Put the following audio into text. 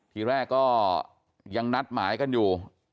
ทีแรกก็ยังนัดหมายกันอยู่